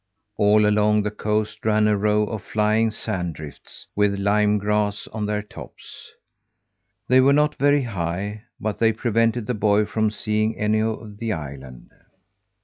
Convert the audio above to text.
All along the coast ran a row of flying sand drifts, with lyme grass on their tops. They were not very high, but they prevented the boy from seeing any of the island.